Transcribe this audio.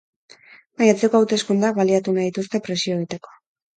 Maiatzeko hauteskundeak baliatu nahi dituzte presio egiteko.